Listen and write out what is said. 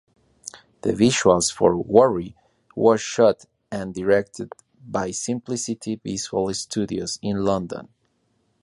The visuals for "Worry" was shot and directed by Simplicity Visual Studios in London.